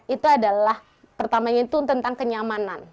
itu adalah pertamanya itu tentang kenyamanan